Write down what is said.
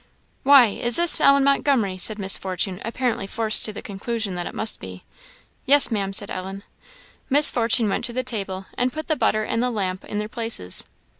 "Why, is this Ellen Montgomery?" said Miss Fortune, apparently forced to the conclusion that it must be. "Yes, Maam," said Ellen. Miss Fortune went to the table, and put the butter and the lamp in their places.